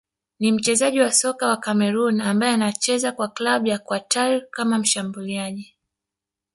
ni mchezaji wa soka wa Kameruni ambaye anacheza kwa klabu ya Qatar kama mshambuliaji